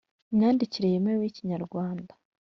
Imyandikire yemewe yi kinyarwanda